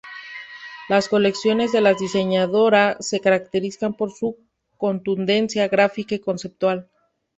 Las colecciones de la diseñadora se caracterizan por su contundencia gráfica y conceptual.